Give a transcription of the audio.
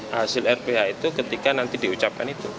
hasil rph itu ketika nanti diucapkan itu